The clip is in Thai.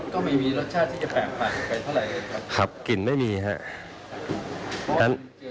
ครับกลิ่นไม่มีฮะ